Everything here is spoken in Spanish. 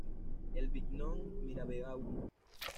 Le Bignon-Mirabeau